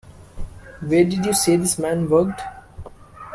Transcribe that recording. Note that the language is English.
Where did you say this man worked?